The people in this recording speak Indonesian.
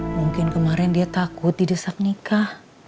mungkin kemarin dia takut didesak nikah